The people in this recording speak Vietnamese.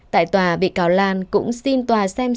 tại tòa bị cáo lan cũng xin tòa xem xét